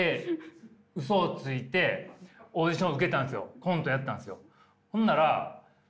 コントやったんすよ。